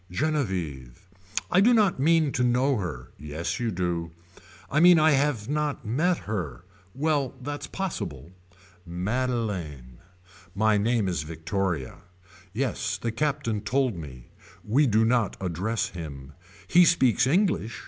Genevieve. I do not mean to know her. Yes you do. I mean I have not met her. Well that's possible. Madeleine. My name is Victoria. Yes the Captain told me. We do not address him. He speaks English.